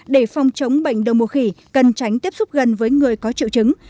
để phòng chống bệnh đồng mùa khỉ cần tránh tiếp xúc gần với người có triệu chứng